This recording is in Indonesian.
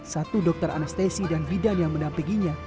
satu dokter anestesi dan bidan yang mendampinginya